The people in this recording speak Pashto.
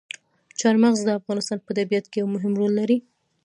چار مغز د افغانستان په طبیعت کې یو مهم رول لري.